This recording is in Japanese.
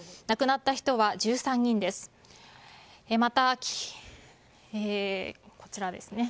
亡くなった人は１３人です。